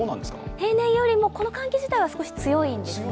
平年よりもこの寒気自体は少し強いんですね。